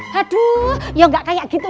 haduh ya nggak kayak gitu